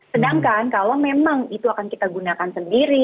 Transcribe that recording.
sedangkan kalau memang itu akan kita gunakan sendiri